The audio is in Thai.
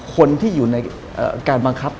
คนที่อยู่ในการบังคับ